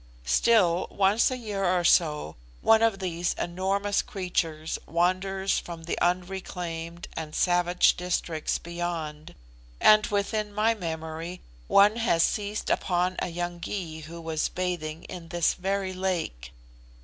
Still, once a year or so, one of these enormous creatures wanders from the unreclaimed and savage districts beyond, and within my memory one has seized upon a young Gy who was bathing in this very lake.